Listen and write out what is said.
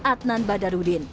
syafri adnan badarudin